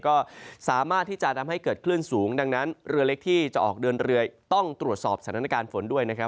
ก็สามารถที่จะทำให้เกิดคลื่นสูงดังนั้นเรือเล็กที่จะออกเดินเรือต้องตรวจสอบสถานการณ์ฝนด้วยนะครับ